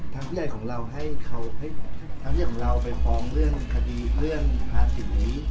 ทางพี่ใหญ่ของเราให้เขาทางพี่ใหญ่ของเราไปฟ้องเรื่องคดีเรื่องภาษีนี้